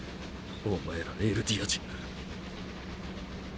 お前らエルディア人が。